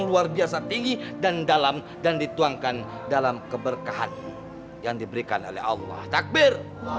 luar biasa tinggi dan dalam dan dituangkan dalam keberkahan yang diberikan oleh allah takbir